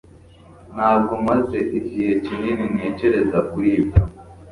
Ntabwo maze igihe kinini ntekereza kuri ibyo